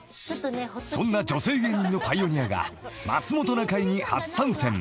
［そんな女性芸人のパイオニアが『まつもｔｏなかい』に初参戦］